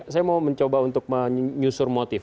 saya mau mencoba untuk menyusur motif